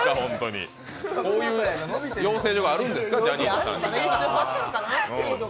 こういう養成所があるんですか、ジャニーズさんに。